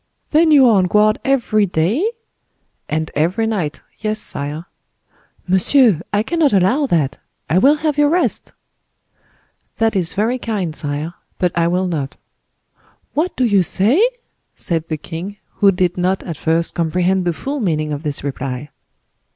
"Then you are on guard every day?" "And every night. Yes, sire." "Monsieur, I cannot allow that—I will have you rest." "That is very kind, sire; but I will not." "What do you say?" said the king, who did not at first comprehend the full meaning of this reply.